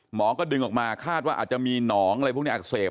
หมอก็ดึงออกมาคาดว่าอาจจะมีหนองอะไรพวกนี้อักเสบ